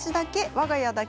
わが家だけ？